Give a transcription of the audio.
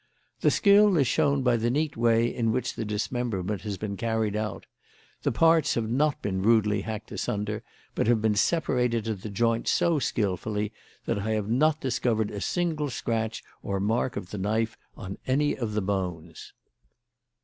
"The skill is shown by the neat way in which the dismemberment has been carried out. The parts have not been rudely hacked asunder, but have been separated at the joints so skilfully that I have not discovered a single scratch or mark of the knife on any of the bones."